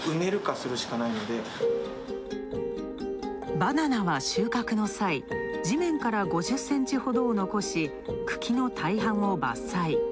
バナナは収穫の際、地面から５０ｃｍほどを残し、茎の大半を伐採。